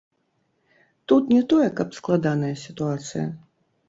Тут не тое, каб складаная сітуацыя.